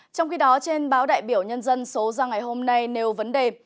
trong khi đó trên báo đại biểu nhân dân số ra ngày hôm nay nêu vấn đề